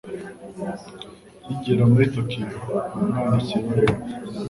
Nkigera muri Tokiyo, namwandikiye ibaruwa.